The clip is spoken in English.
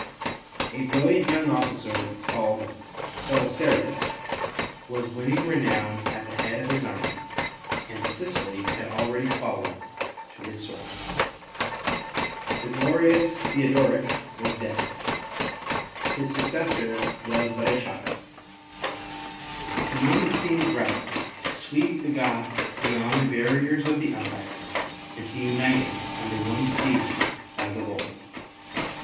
A brilliant 3^oung officer called Belisarius was winning renown at the head of his army, and Sicily had already fallen to his sword. The glorious Theodoric ST. BENEDICT 65 was dead; his successor was but a child. The moment seemed ripe to sweep the Goths beyond the barriers of the Empire, and to unite it under one Caesar as of old.